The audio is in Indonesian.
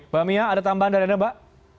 mbak mia ada tambahan dari anda mbak